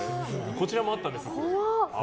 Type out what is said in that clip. こちらもあったのでって。